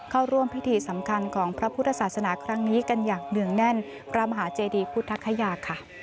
เข้าร่วมพิธีสำคัญของพระพุทธศาสนาครั้งนี้กันอย่างเนื่องแน่นพระมหาเจดีพุทธคยาค่ะ